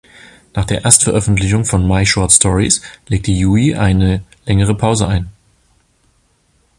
Nach der Erstveröffentlichung von "My Short Stories" legte Yui eine längere Pause ein.